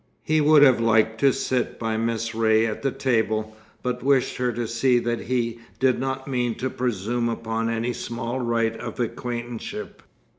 He would have liked to sit by Miss Ray at the table, but wished her to see that he did not mean to presume upon any small right of acquaintanceship.